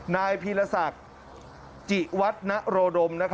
นายพีรศักดิ์จิวัฒนโรดม